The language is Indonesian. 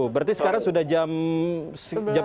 enam empat puluh berarti sekarang sudah jam sebelas ya